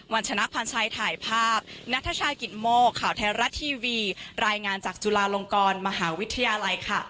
วันชนะพันธ์ชัยถ่ายภาพนัทชายกิตโมข่าวไทยรัฐทีวีรายงานจากจุฬาลงกรมหาวิทยาลัยค่ะ